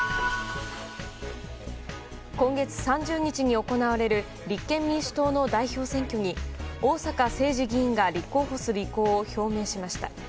今月３０日に行われる立憲民主党の代表選挙に逢坂誠二議員が立候補する意向を表明しました。